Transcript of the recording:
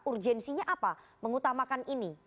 urgensinya apa mengutamakan ini